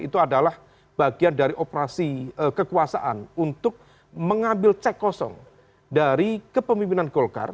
itu adalah bagian dari operasi kekuasaan untuk mengambil cek kosong dari kepemimpinan golkar